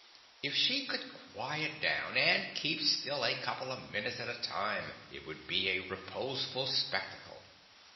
If she could quiet down and keep still a couple minutes at a time, it would be a reposeful spectacle.